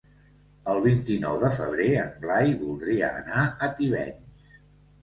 El vint-i-nou de febrer en Blai voldria anar a Tivenys.